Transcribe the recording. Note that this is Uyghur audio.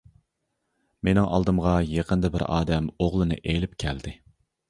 -مېنىڭ ئالدىمغا يېقىندا بىر ئادەم ئوغلىنى ئېلىپ كەلدى.